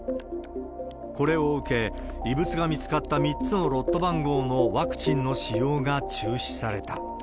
これを受け、異物が見つかった３つのロット番号のワクチンの使用が中止された。